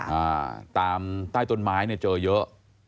อ่าตามใต้ต้นไม้เนี่ยเจอเยอะ